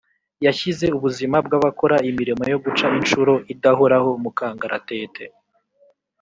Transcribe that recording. yashyize ubuzima bw’ abakora imirimo yo guca inshuro (idahoraho) mu kangaratete!